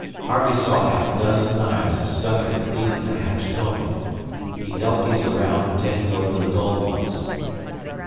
Harvey saw half a dozen knives stuck in a cleat in the hatch combing. He dealt these around, taking over the dulled ones.